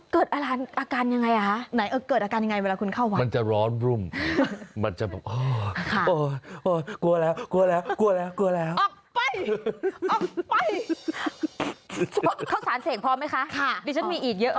เขาสารเสกพอไหมคะดิฉันมีอีกเยอะ